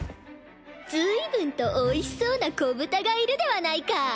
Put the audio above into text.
随分とおいしそうな子ぶたがいるではないか。